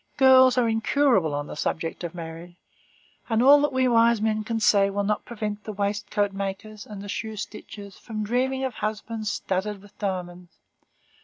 Girls are incurable on the subject of marriage, and all that we wise men can say will not prevent the waistcoat makers and the shoe stitchers from dreaming of husbands studded with diamonds.